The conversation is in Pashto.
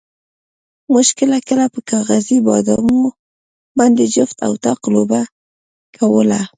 موږ کله کله په کاغذي بادامو باندې جفت او طاق لوبه کوله.